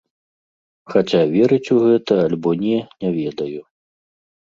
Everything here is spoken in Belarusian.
Хаця верыць у гэта альбо не, не ведаю.